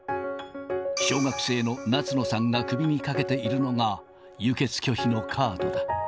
小学生の夏野さんが首にかけているのが、輸血拒否のカードだ。